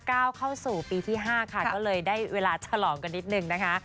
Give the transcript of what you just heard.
เข้าสู่ปีที่๕ค่ะก็เลยได้เวลาฉลองกันนิดนึงนะคะ